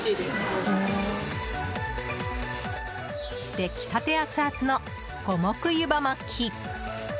出来立てアツアツの五目湯葉巻。